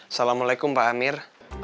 assalamualaikum pa amir